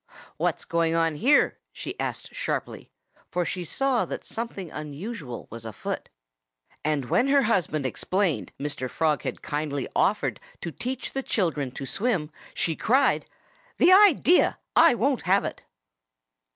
"What's going on here?" she asked sharply, for she saw that something unusual was afoot. And when her husband explained Mr. Frog had kindly offered to teach the children to swim she cried, "The idea! I won't have it!"